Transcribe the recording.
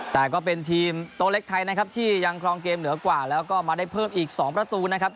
แต่ก็เป็นทีมตัวเล็กไทยนะครับที่ยังครองเกมเหนือกว่าแล้วก็มาได้เพิ่มอีก๒ประตูนะครับ